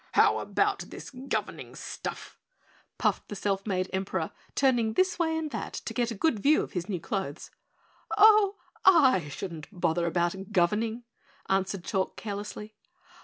"How about this governing stuff?" puffed the self made Emperor, turning this way and that to get a good view of his new clothes. "Oh, I shouldn't bother about governing," answered Chalk carelessly.